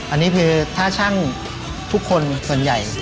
อันนี้คือถ้าช่างทุกคนส่วนใหญ่